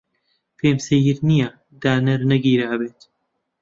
پێم سەیر نییە دانەر نەگریابێت.